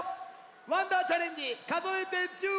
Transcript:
「わんだーチャレンジかぞえて１０」！